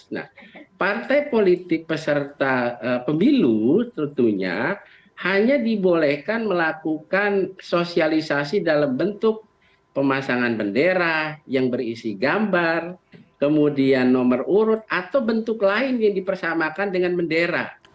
nah partai politik peserta pemilu tentunya hanya dibolehkan melakukan sosialisasi dalam bentuk pemasangan bendera yang berisi gambar kemudian nomor urut atau bentuk lain yang dipersamakan dengan bendera